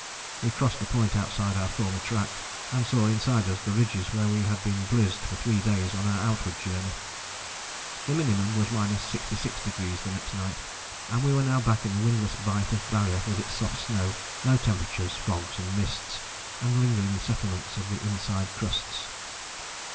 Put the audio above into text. We crossed the point outside our former track, and saw inside us the ridges where we had been blizzed for three days on our outward journey. The minimum was 66° the next night and we were now back in the windless bight of Barrier with its soft snow, low temperatures, fogs and mists, and lingering settlements of the inside crusts.